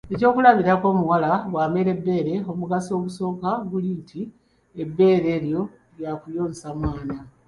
Ekyokulabirako omuwala bw'amera ebbeere omugaso ogusooka, guli nti, ebbeere eryo lya kuyonsa mwana